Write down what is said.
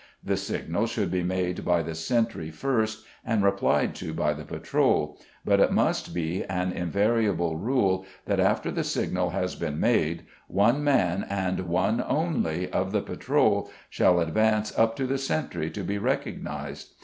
The signal should be made by the sentry first and replied to by the patrol, but it must be an invariable rule that after the signal has been made one man, and one only, of the patrol shall advance up to the sentry to be recognised.